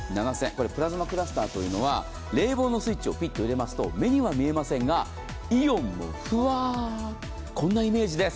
プラズマクラスターというのは、冷房のスイッチを入れますと、目には見えませんが、イオンもふわっ、こんなイメージです。